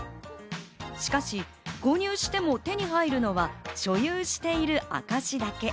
しかし購入しても手に入るのが所有している証しだけ。